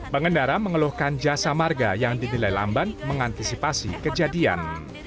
pengendara mengeluhkan jasa marga yang dinilai lamban mengantisipasi kejadian